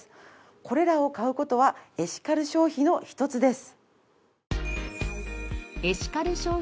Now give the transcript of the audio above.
これらを買う事はエシカル消費の一つです。